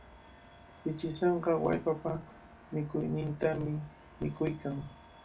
Pichisanka wallpapa mikuynintami mikuykan.